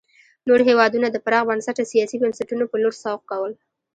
نور هېوادونه د پراخ بنسټه سیاسي بنسټونو په لور سوق کول.